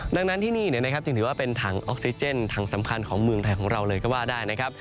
ดังนั้นที่นี่นะครับจึงถือว่าเป็นถังออกซิเจนถังสำคัญของเมืองไทยของเราเลยก็ว่าได้นะครับ